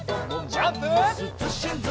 ジャンプ！